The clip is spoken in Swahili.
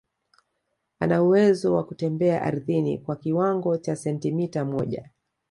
anauwezo wa kutembea ardhini kwa kiwango cha sentimita moja